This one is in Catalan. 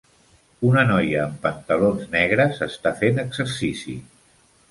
Una noia amb pantalons negres està fent exercici.